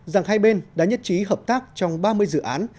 rằng hai bên đã nhất trí hợp tác trong ba mươi dự án